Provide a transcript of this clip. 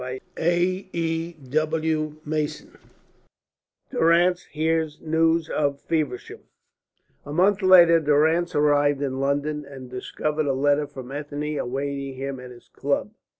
CHAPTER XI DURRANCE HEARS NEWS OF FEVERSHAM A month later Durrance arrived in London and discovered a letter from Ethne awaiting him at his club.